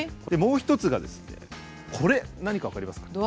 でもう一つがですねこれ何か分かりますか？